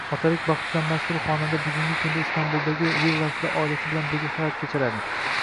Otalik baxtidan masrur xonanda bugungi kunda Istanbuldagi villasida oilasi bilan birga hayot kechiradi